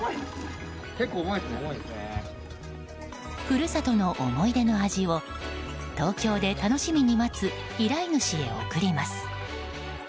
故郷の思い出の味を東京で楽しみに待つ依頼主へ送ります。